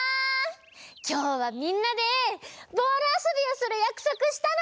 きょうはみんなでボールあそびをするやくそくしたの！